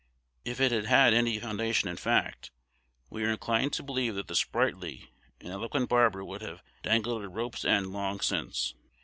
If it had had any foundation in fact, we are inclined to believe that the sprightly and eloquent barber would have dangled at a rope's end long since.